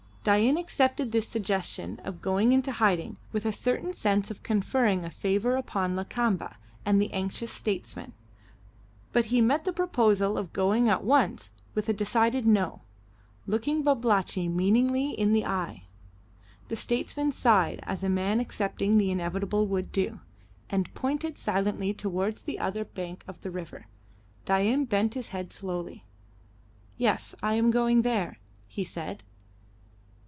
Dain accepted this suggestion of going into hiding with a certain sense of conferring a favour upon Lakamba and the anxious statesman, but he met the proposal of going at once with a decided no, looking Babalatchi meaningly in the eye. The statesman sighed as a man accepting the inevitable would do, and pointed silently towards the other bank of the river. Dain bent his head slowly. "Yes, I am going there," he said.